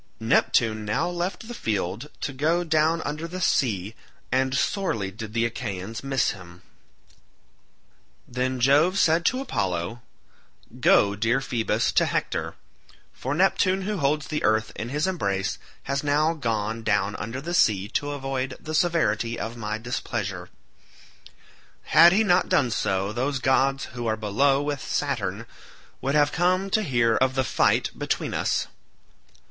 Neptune now left the field to go down under the sea, and sorely did the Achaeans miss him. Then Jove said to Apollo, "Go, dear Phoebus, to Hector, for Neptune who holds the earth in his embrace has now gone down under the sea to avoid the severity of my displeasure. Had he not done so those gods who are below with Saturn would have come to hear of the fight between us.